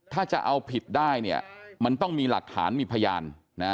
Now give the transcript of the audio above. ถ้าจะเอาผิดได้เนี่ยมันต้องมีหลักฐานมีพยานนะ